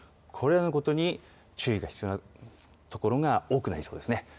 これらのことに注意が必要な所が多くなりそうですね。